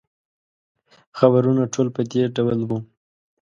خبرونه ټول په دې ډول وو.